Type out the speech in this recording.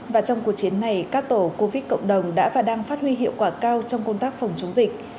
và trong cuộc chiến này các tổ covid cộng đồng đã và đang phát huy hiệu quả cao trong công tác phòng chống dịch